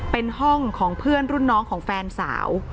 เป็นห้องของเพื่อนรุ่นน้องของแฟนสาว